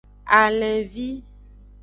Alenvi.